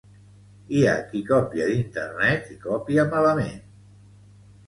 Hi ha qui copia d'internet i copia malament